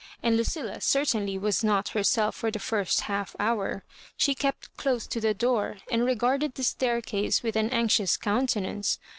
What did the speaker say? And Lucilla certainly was not Herself for the first half hour. She kept dose to the door, and regarded the staircase with an anxious countenance.